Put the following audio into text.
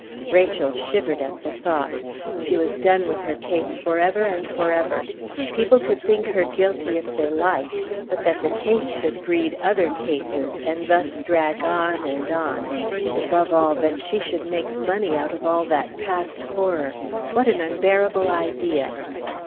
Rachel shivered at the thought. She was done with her case for ever and for ever. People could think her guilty if they liked, but that the case should breed other cases, and thus drag on and on, and, above all, that she should make money out of all that past horror, what an unbearable idea!